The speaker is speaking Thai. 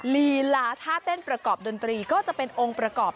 ลีลาท่าเต้นประกอบดนตรีก็จะเป็นองค์ประกอบ